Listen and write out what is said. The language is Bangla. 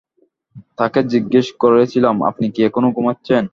তাঁকে জিগ্যেস করেছিলাম, আপনি কি এখনো ঘুমুচ্ছেন?